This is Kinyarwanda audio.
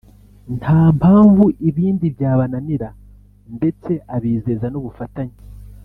nta mpamvu ibindi byabananira ndetse abizeza n’ubufatanye